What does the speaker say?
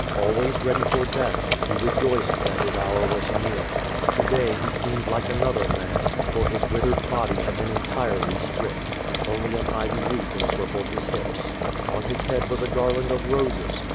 Always ready for death, he rejoiced that his hour was near. To day he seemed like another man, for his withered body had been entirely stripped. Only an ivy wreath encircled his hips. On his head was a garland of roses.